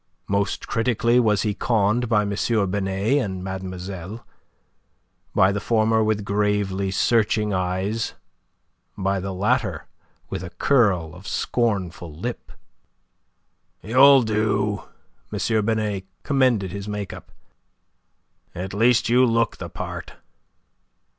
Most critically was he conned by M. Binet and mademoiselle; by the former with gravely searching eyes, by the latter with a curl of scornful lip. "You'll do," M. Binet commended his make up. "At least you look the part."